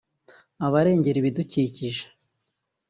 abarengera ibidukikije